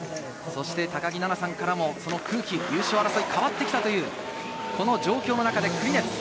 高木菜那さんからも、その空気、優勝争いが変わってきたという状況の中で、クリネツ。